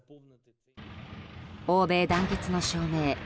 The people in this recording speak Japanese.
欧米団結の証明